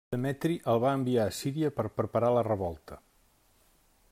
Demetri el va enviar a Síria per preparar la revolta.